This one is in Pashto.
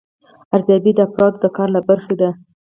ارزیابي د افرادو د کار له برخې ده.